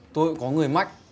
tôi có người mách